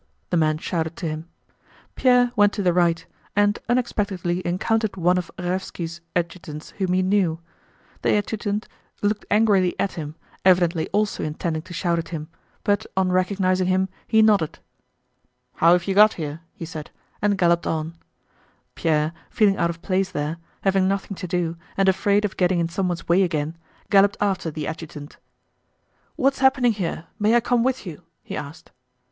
the men shouted to him. Pierre went to the right, and unexpectedly encountered one of Raévski's adjutants whom he knew. The adjutant looked angrily at him, evidently also intending to shout at him, but on recognizing him he nodded. "How have you got here?" he said, and galloped on. Pierre, feeling out of place there, having nothing to do, and afraid of getting in someone's way again, galloped after the adjutant. "What's happening here? May I come with you?" he asked.